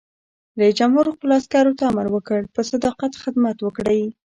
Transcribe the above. رئیس جمهور خپلو عسکرو ته امر وکړ؛ په صداقت خدمت وکړئ!